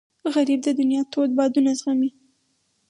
غریب د دنیا تود بادونه زغمي